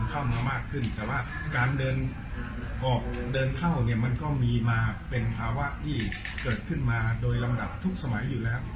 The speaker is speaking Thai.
แต่การเดินออกมันก็มีมาเป็นภาวะที่เกิดขึ้นมาโดยลำดับทุกสมัยอยู่แล้ว